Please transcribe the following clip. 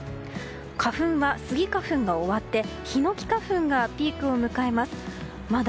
花粉は、スギ花粉が終わってヒノキ花粉がピークを迎えます。